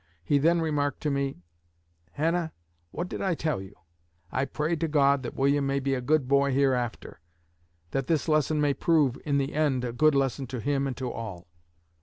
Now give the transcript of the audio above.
He then remarked to me, 'Hannah, what did I tell you? I pray to God that William may be a good boy hereafter; that this lesson may prove in the end a good lesson to him and to all.'